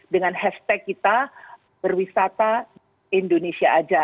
dengan hashtag kita berwisata indonesia aja